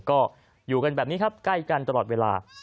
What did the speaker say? ก็อยู่กันแบบนี้ครับใกล้กันตลอดเวลา